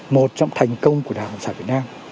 một trong thành công của đh việt nam